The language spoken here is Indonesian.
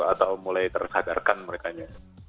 atau mulai tersadarkan merekanya